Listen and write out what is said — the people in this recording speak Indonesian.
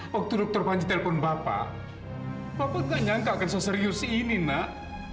waktu dokter panji telpon bapak bapak nggak nyangka akan seserius ini nak